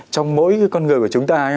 trong mỗi con người của chúng ta